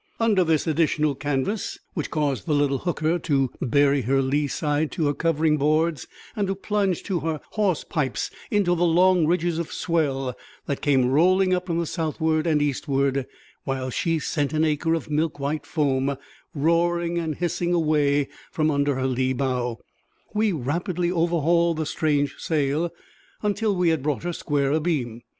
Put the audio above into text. Under this additional canvas, which caused the little hooker to bury her lee side to her covering boards, and to plunge to her hawse pipes into the long ridges of swell that came rolling up from the southward and eastward, while she sent an acre of milk white foam roaring and hissing away from under her lee bow, we rapidly overhauled the strange sail until we had brought her square abeam.